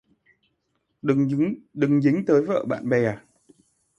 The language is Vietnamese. Đừng dính tới vợ của bạn bè